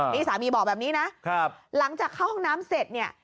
นี่สามีบอกแบบนี้นะหลังจากเข้าห้องน้ำเสร็จเนี่ย